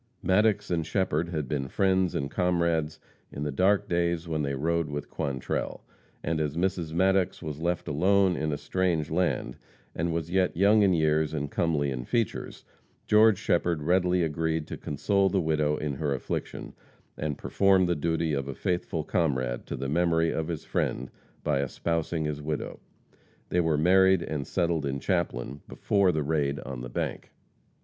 Maddox and Shepherd had been friends and comrades in the dark days when they rode with Quantrell, and as Mrs. Maddox was left alone in a strange land, and was yet young in years and comely in features, George Shepherd readily agreed to console the widow in her affliction and perform the duty of a faithful comrade to the memory of his friend by espousing his widow. They were married and settled in Chaplin before the raid on the bank.